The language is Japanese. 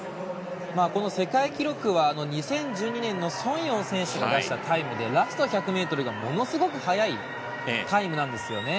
世界記録は２０１２年のソン・ヨウ選手が出した記録でラスト１００ｍがものすごく速いタイムなんですよね。